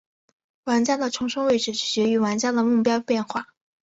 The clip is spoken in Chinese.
玩家的重生位置取决于玩家的目标变化。